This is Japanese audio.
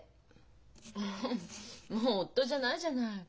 ああもう夫じゃないじゃない。